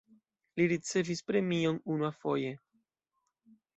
Li ricevis premion unuafoje.